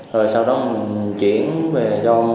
rồi sau đó mình chuyển về trong cái